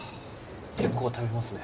結構食べますね。